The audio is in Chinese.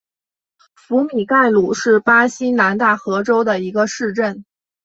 福米盖鲁是巴西南大河州的一个市镇。